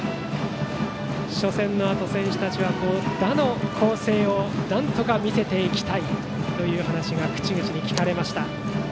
初戦のあと、選手たちは打の光星をなんとか見せていきたいという話が口々に聞かれました。